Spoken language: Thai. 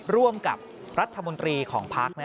ร่วมกับรัฐมนตรีของพัก